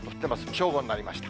正午になりました。